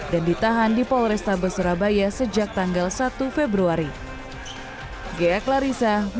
dan ditahan di polrestable surabaya sejak tanggal satu februari